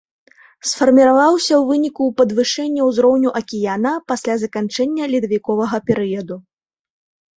Сфарміраваўся ў выніку падвышэння ўзроўню акіяна пасля заканчэння ледавіковага перыяду.